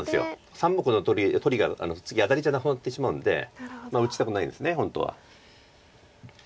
３目の取りが次アタリじゃなくなってしまうんで打ちたくないです本当は。